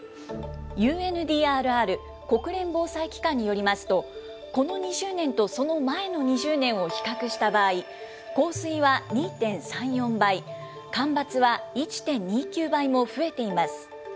ＵＮＤＲＲ・国連防災機関によりますと、この２０年とその前の２０年を比較した場合、洪水は２．３４倍、干ばつは１．２９倍も増えています。